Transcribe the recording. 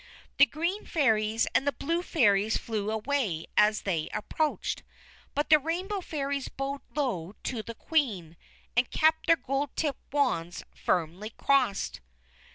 The Green Fairies and the Blue Fairies flew away as they approached; but the Rainbow Fairies bowed low to the Queen, and kept their gold tipped wands firmly crossed.